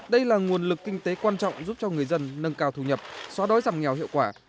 đây là nguồn lực kinh tế quan trọng giúp cho người dân nâng cao thu nhập xóa đói giảm nghèo hiệu quả